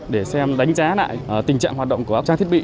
để đánh giá lại tình trạng hoạt động của áp trang thiết bị